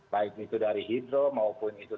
baik itu dari hidro maupun hidro